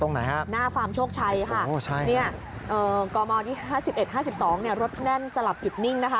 หน้าฟาร์มโชคชัยค่ะกมที่๕๑๕๒รถแน่นสลับหยุดนิ่งนะคะ